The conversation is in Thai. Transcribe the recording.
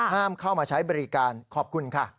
เข้ามาใช้บริการขอบคุณค่ะ